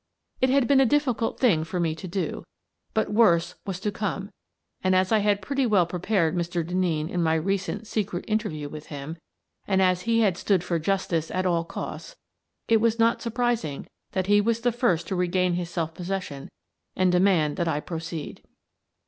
It had been a difficult thing for me to do, but worse was to come, and, as I had pretty well prepared Mr. Den neen in my recent secret interview with him, and as he had stood for justice at all costs, it was not sur prising that he was the first to regain his self posses sion and demand that I proceed.